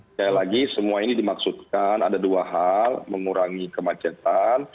sekali lagi semua ini dimaksudkan ada dua hal mengurangi kemacetan